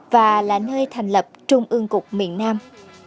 và là nơi thành lập trung ương cục miền nam